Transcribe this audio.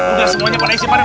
udah semuanya pada isi panas